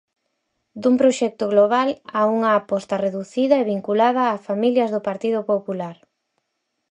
Dun proxecto global a unha aposta reducida e vinculada a familias do Partido Popular.